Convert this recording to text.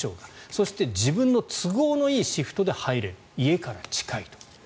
そして自分の都合のいいシフトで入れる家から近いと。